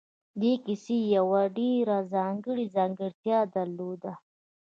دې کيسې يوه ډېره ځانګړې ځانګړتيا درلوده.